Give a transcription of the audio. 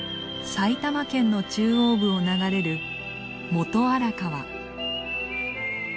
埼玉県の中央部を流れる元荒川。